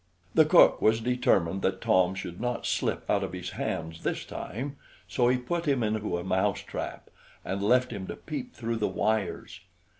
The cook was determined that Tom should not slip out of his hands this time, so he put him into a mouse trap, and left him to peep through the wires.